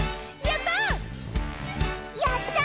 やった！